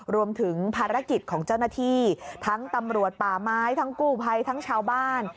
รวมถึงภารกิจของเจ้าหน้าที่ทั้งตำรวจป่าไม้ทั้งกู้ภัยทั้งชาวบ้าน